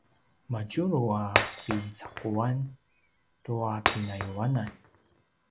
madjulu a kicaquan tua pinayuanan?